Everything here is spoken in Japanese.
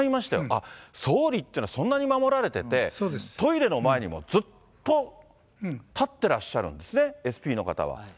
あっ、総理っていうのはそんなに守られてて、トイレの前にもずっと立ってらっしゃるんですね、ＳＰの方は。